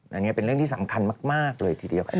มิ้งยืนยอมว่าไม่ใช่เรื่องจริง